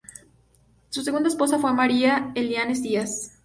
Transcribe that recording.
Su segunda esposa fue María Eliana Díaz.